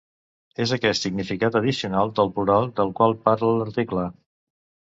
És aquest significat addicional del plural del qual parla l'article.